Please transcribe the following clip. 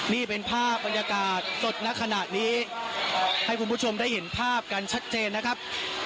นี่เป็นภาพบรรยากาศสดในขณะนี้ให้คุณผู้ชมได้เห็นภาพกันชัดเจนนะครับ